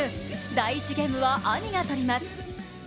第１ゲームは兄が取ります。